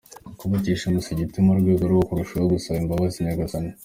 kubakisha umusigiti mu rwego rwo kurushaho gusaba imbabazi Nyagasani.